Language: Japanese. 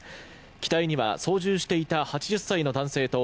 機体には操縦していた８０歳の男性と